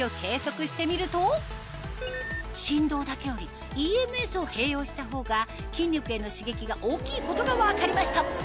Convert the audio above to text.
振動だけよりＥＭＳを併用したほうが筋肉への刺激が大きいことが分かりました